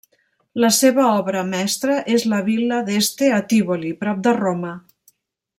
La seva obra mestra és la Vil·la d'Este a Tívoli, prop de Roma.